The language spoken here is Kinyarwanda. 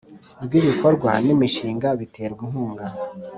Rw ibikorwa n imishinga biterwa inkunga